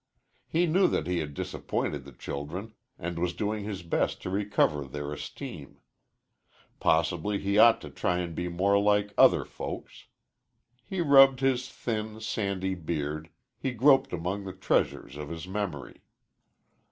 He knew that he had disappointed the children and was doing his best to recover their esteem. Possibly he ought to try and be more like other folks. He rubbed his thin, sandy beard, he groped among the treasures of his memory.